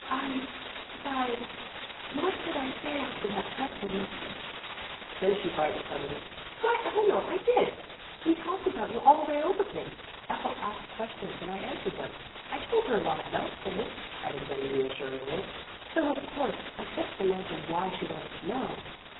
"I why, what could I say after that dreadful message?" Then she brightened suddenly. "Why, Eleanor, I did. We talked about you all the way over here. Ethel asked questions and I answered them. I told her a lot of nice things," added Betty reassuringly, "though of course I couldn't imagine why she wanted to know.